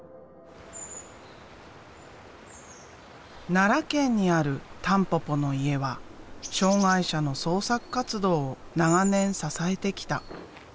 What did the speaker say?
奈良県にあるたんぽぽの家は障害者の創作活動を長年支えてきた。